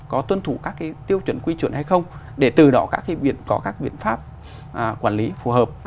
có tuân thủ các cái tiêu chuẩn quy chuẩn hay không để từ đó có các biện pháp quản lý phù hợp